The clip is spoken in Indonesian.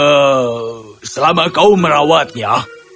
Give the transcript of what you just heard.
oh selama kau merawatnya